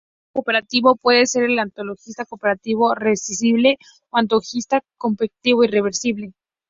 Un antagonista competitivo puede ser un antagonista competitivo reversible o un antagonista competitivo irreversible.